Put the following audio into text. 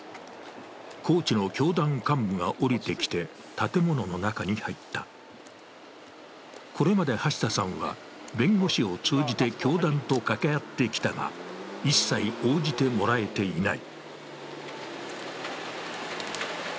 高知の教団幹部が降りてきた建物の中に入ったこれまで橋田さんは弁護士を通じて教団と掛け合ってきたが、一切応じてもらえていない。